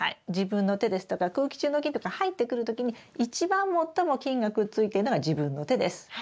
自分の手ですとか空気中の菌とか入ってくる時に一番最も菌がくっついてるのが自分の手です。